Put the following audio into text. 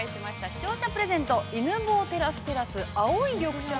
視聴者プレゼント「犬吠テラステラス青い緑茶」